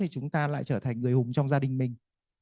thì chúng ta lại trở thành người hùng trong gia đình mình